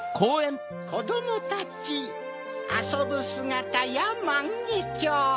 「こどもたちあそぶすがたやまんげきょう」。